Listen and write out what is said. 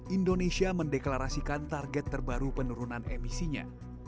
indonesia mendeklarasikan target terbaru penurunan emisinya